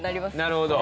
なるほど。